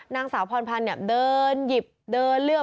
นางสาวพรพันธ์เดินหยิบเดินเลือก